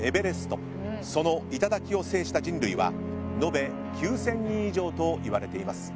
その頂を制した人類は延べ９，０００人以上といわれています。